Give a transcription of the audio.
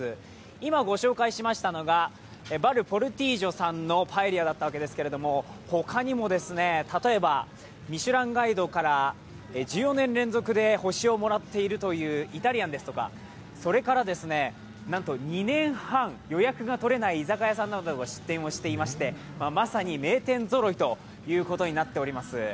今ご紹介しましたのがバル・ポルティージョさんのパエリアだったわけですが他にも例えば、「ミシュランガイド」から１４年連続で星をもらっているというイタリアンですとかそれから、なんと２年半、予約が取れない居酒屋などが出店してましてまさに名店ぞろいということになっております。